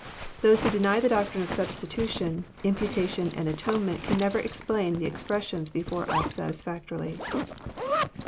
Those who deny the doctrine of substitution, imputation, and atone ment can never explain the expressions before us satisfac torily.